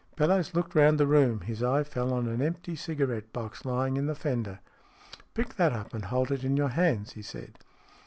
Bellowes looked round the room. His eye fell on an empty cigarette box, lying in the fender. " Pick that up, and hold it in your hands," he said.